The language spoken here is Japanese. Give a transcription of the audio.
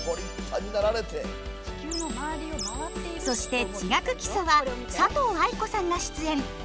そして「地学基礎」は佐藤藍子さんが出演。